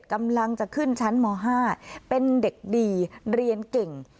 กำลังจะขึ้นชั้นม๕เป็นเด็กดีเรียนเก่ง